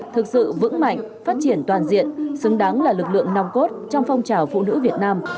thực sự vững mạnh phát triển toàn diện xứng đáng là lực lượng nòng cốt trong phong trào phụ nữ việt nam